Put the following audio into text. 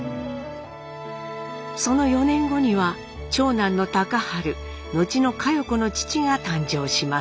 その４年後には長男の隆治後の佳代子の父が誕生します。